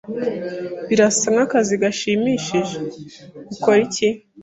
Birasa nkakazi gashimishije. Ukora iki?